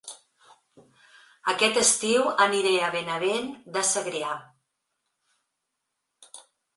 Aquest estiu aniré a Benavent de Segrià